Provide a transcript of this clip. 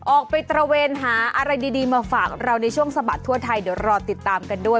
ออกไปตระเวนหาอะไรดีมาฝากเราในช่วงสะบัดทั่วไทยเดี๋ยวรอติดตามกันด้วย